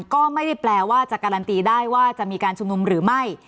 ก็ไม่ได้แปลว่าจะการันตีได้ว่าจะมีการชุมนุมหรือไม่